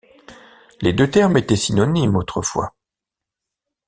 Les deux termes étaient synonymes autrefois.